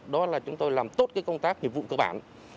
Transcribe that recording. đó là chúng tôi làm tốt cái công tác nhiệm vụ cơ bản